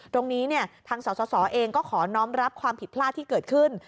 ตรงนี้ทางสสเองก็ขอน้องรับความผิดพลาดที่เกิดขึ้น